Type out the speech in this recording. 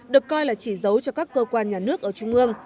được coi là chỉ dấu cho các cơ quan nhà nước ở trung ương